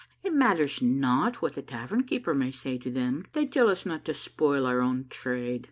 It matters not what the tavern keeper may say to them. They tell us not to spoil our own trade.